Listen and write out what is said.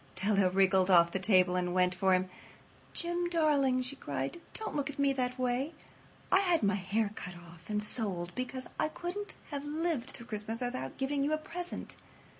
Della wriggled off the table and went for him. "Jim, darling," she cried, "don't look at me that way. I had my hair cut off and sold because I couldn't have lived through Christmas without giving you a present.